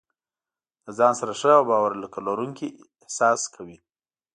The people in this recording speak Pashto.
له ځان سره ښه او باور لرونکی احساس کوي.